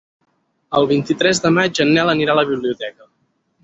El vint-i-tres de maig en Nel anirà a la biblioteca.